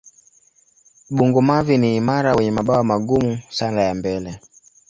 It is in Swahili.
Bungo-mavi ni imara wenye mabawa magumu sana ya mbele.